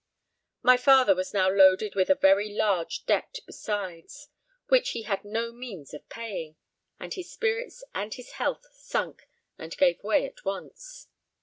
My father was now loaded with a very large debt besides, which he had no means of paying, and his spirits and his health sunk and gave way at once.